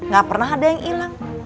gak pernah ada yang hilang